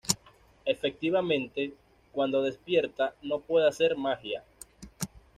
Efectivamente, cuando despierta no puede hacer magia.